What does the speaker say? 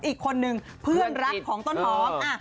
อีกคนนึงเพื่อนรักของต้นหอม